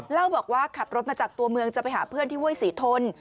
เล่าบอกว่าขับรถมาจากตัวเมืองจะไปหาเพื่อนที่ห้วยศรีทน